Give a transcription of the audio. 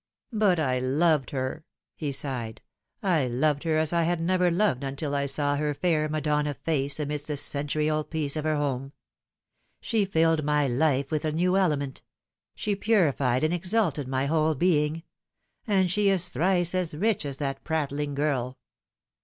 " But I loved her," he pighed ;" I loved her as I had never loved until I saw her fair Madonna face amidst the century old peace of her home. She filled my life with a new element. She purified and exalted my whole being. And she is thrice as rich as that prattling girl